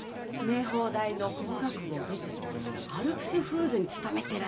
明法大の法学部を出てアルプスフーズに勤めてらしたの。